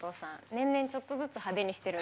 年々ちょっとずつ派手にしてるんです。